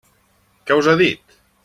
Què us ha dit?